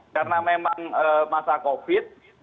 karena memang masa covid